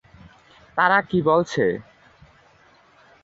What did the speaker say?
তারা কি বলছে?